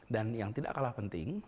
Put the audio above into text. dan yang tidak kalah penting